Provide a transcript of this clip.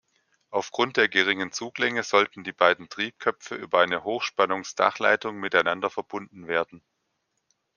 Aufgrund der geringen Zuglänge sollten die beiden Triebköpfe über eine Hochspannungs-Dachleitung miteinander verbunden werden.